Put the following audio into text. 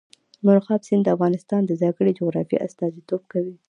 مورغاب سیند د افغانستان د ځانګړي جغرافیه استازیتوب کوي.